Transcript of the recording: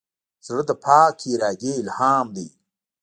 زړه د پاک ارادې الهام دی.